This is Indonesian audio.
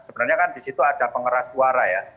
sebenarnya kan disitu ada pengeras suara ya